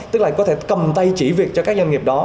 tức là có thể cầm tay chỉ việc cho các doanh nghiệp đó